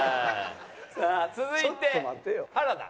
さあ続いて原田。